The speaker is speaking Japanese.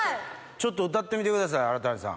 ちょっと歌ってみてください荒谷さん。